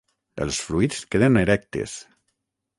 Els fruits queden erectes.